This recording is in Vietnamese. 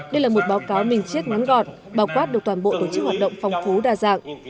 đây là một báo cáo minh chết ngắn gọn báo quát được toàn bộ đối chức hoạt động phong phú đa dạng